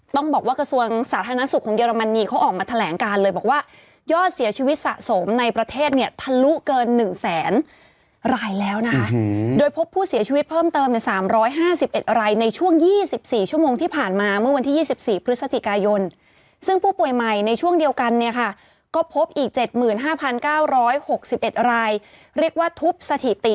ต้องบอกว่ากระทรวงสาธารณสุขของเยอรมนีเขาออกมาแถลงการเลยบอกว่ายอดเสียชีวิตสะสมในประเทศเนี่ยทะลุเกิน๑แสนรายแล้วนะคะโดยพบผู้เสียชีวิตเพิ่มเติมใน๓๕๑รายในช่วง๒๔ชั่วโมงที่ผ่านมาเมื่อวันที่๒๔พฤศจิกายนซึ่งผู้ป่วยใหม่ในช่วงเดียวกันเนี่ยค่ะก็พบอีก๗๕๙๖๑รายเรียกว่าทุบสถิติ